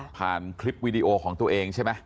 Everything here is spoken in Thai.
ผ่านคลิปวีดีโอของตัวเองใช่ไหม